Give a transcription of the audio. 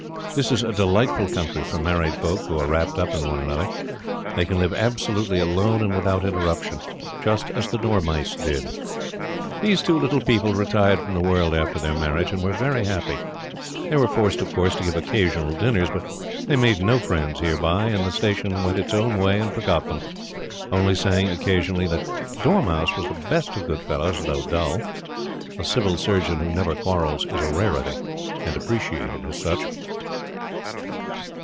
This is a delightful country for married folk who are wrapped up in one another. They can live absolutely alone and without interruption just as the Dormice did. These two little people retired from the world after their marriage, and were very happy. They were forced, of course, to give occasional dinners, but they made no friends hereby, and the Station went its own way and forgot them; only saying, occasionally, that Dormouse was the best of good fellows, though dull. A Civil Surgeon who never quarrels is a rarity, appreciated as such.